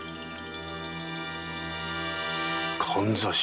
かんざし？